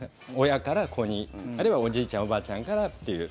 親から子に、あるいはおじいちゃん、おばあちゃんからという。